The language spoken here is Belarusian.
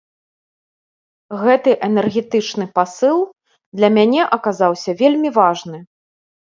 Гэты энергетычны пасыл для мяне аказаўся вельмі важны.